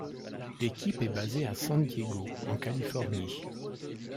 L'équipe est basée à San Diego en Californie.